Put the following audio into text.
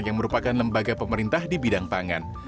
yang merupakan lembaga pemerintah di bidang pangan